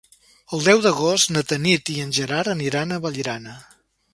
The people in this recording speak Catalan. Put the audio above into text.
El deu d'agost na Tanit i en Gerard aniran a Vallirana.